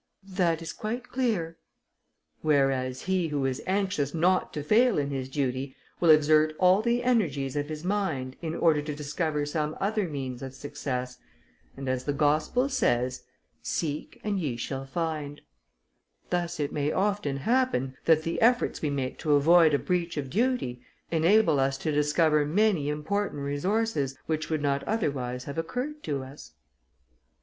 "That is quite clear." "Whereas, he who is anxious not to fail in his duty, will exert all the energies of his mind, in order to discover some other means of success; and as the Gospel says, 'Seek, and ye shall find.' Thus it may often happen, that the efforts we make to avoid a breach of duty, enable us to discover many important resources, which would not otherwise have occurred to us."